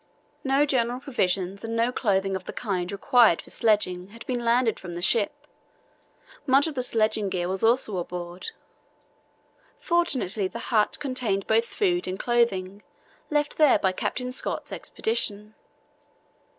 No general provisions and no clothing of the kind required for sledging had been landed from the ship. Much of the sledging gear was also aboard. Fortunately, the hut contained both food and clothing, left there by Captain Scott's Expedition.